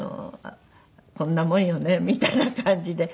こんなもんよねみたいな感じで。